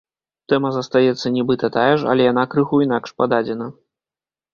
Тэма застаецца нібыта тая ж, але яна крыху інакш пададзена.